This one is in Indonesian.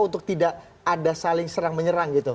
untuk tidak ada saling serang menyerang gitu